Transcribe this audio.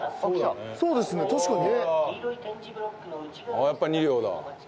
ああやっぱり２両だ。